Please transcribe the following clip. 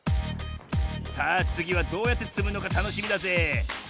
さあつぎはどうやってつむのかたのしみだぜ。